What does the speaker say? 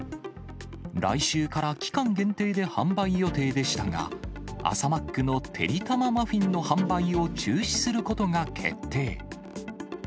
来週から期間限定で販売予定でしたが、朝マックのてりたまマフィンの販売を中止することが決定。